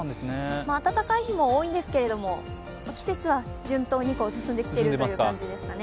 暖かい日も多いんですけれども、季節は順当に進んできているという感じですかね。